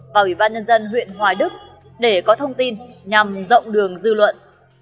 và ủy ban nhân dân huyện hoài đức để có thông tin nhằm rộng đường dư luận